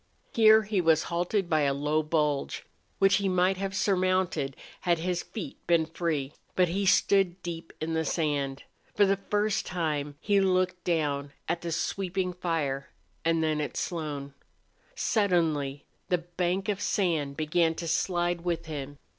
Here he was halted by a low bulge, which he might have surmounted had his feet been free. But he stood deep in the sand. For the first time he looked down at the sweeping fire, and then at Slone. Suddenly the bank of sand began to slide with him.